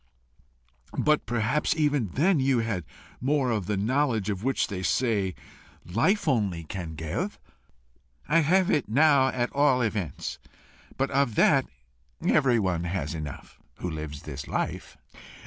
"But perhaps even then you had more of the knowledge which, they say, life only can give." "I have it now at all events. But of that everyone has enough who lives his life.